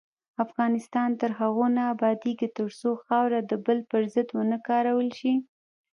افغانستان تر هغو نه ابادیږي، ترڅو خاوره د بل پر ضد ونه کارول شي.